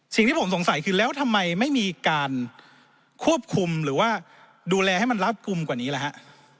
สิ่งที่ผมสงสัยคือแล้วทำไมไม่มีการควบคุมหรือว่าดูแลให้มันรัดกลุ่มกว่านี้ล่ะฮะ